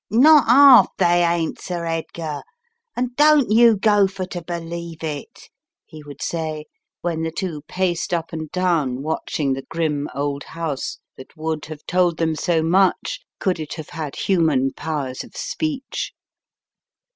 "Not 'arf they ain't, Sir Edgar, and don't you go fer to believe it," he would say, when the two paced up and down watching the grim old house that would have told them so much could it have had human powers of speech.